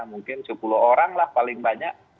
mungkin sepuluh orang lah paling banyak